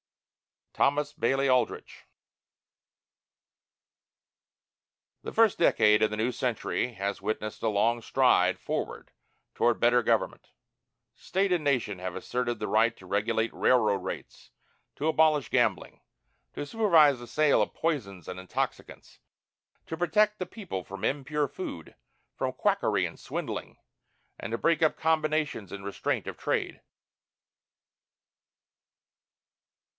THOMAS BAILEY ALDRICH. The first decade of the new century has witnessed a long stride forward toward better government. State and Nation have asserted the right to regulate railroad rates, to abolish gambling, to supervise the sale of poisons and intoxicants, to protect the people from impure food, from quackery and swindling, and to break up combinations in restraint of trade.